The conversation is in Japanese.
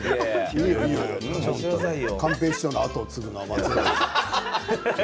寛平師匠の後を継ぐのは松尾さん。